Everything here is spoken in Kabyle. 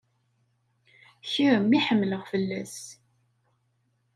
Kemm i ḥemmleɣ fell-as.